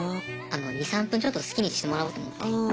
２３分ちょっと好きにしてもらおうと思って。